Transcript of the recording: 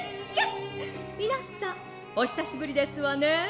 みなさんおひさしぶりですわね」。